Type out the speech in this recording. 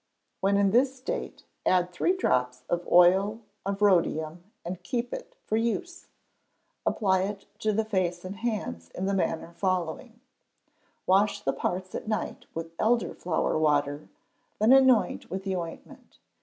When in this state add three drops of the oil of rhodium and keep it for use. Apply it to the face and hands in the manner following: Wash the parts at night with elder flower water, then anoint with the ointment.